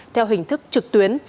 theo hình thức trực tuyến